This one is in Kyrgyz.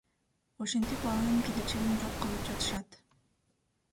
Ошентип баланын келечегин жок кылып жатышат.